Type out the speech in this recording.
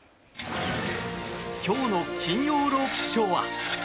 今日の金曜ロウキショーは？